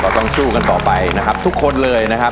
ต้องสู้กันต่อไปนะครับทุกคนเลยนะครับ